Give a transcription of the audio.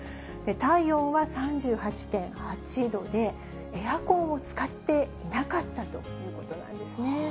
体温は３８．８度で、エアコンを使っていなかったということなんですね。